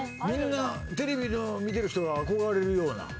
テレビを見てる人が憧れるような。